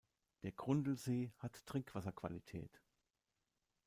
Der Grundlsee hat Trinkwasserqualität.